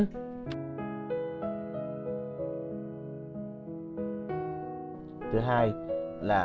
thứ hai là dầu ô lưu nguyên chất